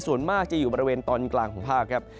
ส่วนมากจะอยู่บริเวณตอนกลางของภาคครับ